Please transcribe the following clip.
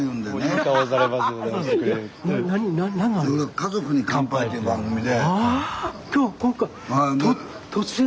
「家族に乾杯」という番組で。